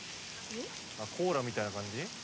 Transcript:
コーラみたいな感じ？